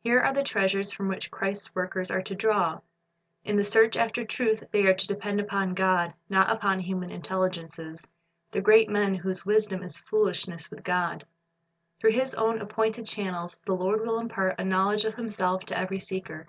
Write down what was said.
Here are the treasures from which Christ's workers are to draw. In the search after truth they are to depend upon God, not upon human intelligences, the great men whose wisdom is foolishness with God. Through His own appointed channels the Lord will impart a knowledge of Himself to every seeker.